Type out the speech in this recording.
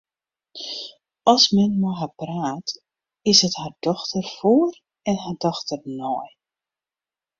As men mei har praat, is it har dochter foar en har dochter nei.